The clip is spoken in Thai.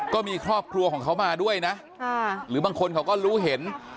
ก็มีครอบครัวของเขามาด้วยนะหรือบางคนเขาก็รู้เห็น